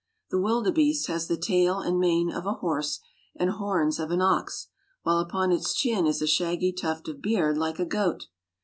The wildebeest has the tail and mane of a horse, and horns of an ox, while upon its chin is a shaggy tuft of beard like a goat.